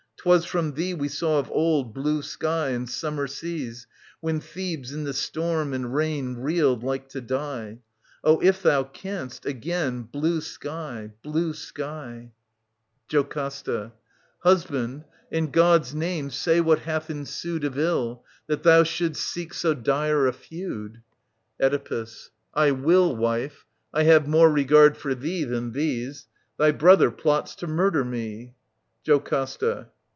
'Twas from thee We saw of old blue sky and summer seas, When Thebes in the storm and rain Reeled, like to die. Oh, if thou canst, again Blue sky, blue sky ...! 40 »▼ 697 713 OEDIPUS, KING OF THEBES JOCASTA. Husband, in God*s name, say what hath ensued Of ill, that thou shouldst seek so dire a feud. Oedipus. I will, wife. I have more regard for thee Than these. — Thy brother plots to murder me. JOCASTA.